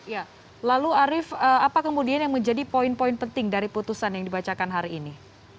ya lalu arief apa kemudian yang menjadi poin poin penting dari putusan yang dibacakan hari ini